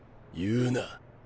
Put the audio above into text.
言うな！